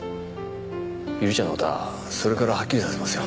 百合ちゃんのことはそれからはっきりさせますよ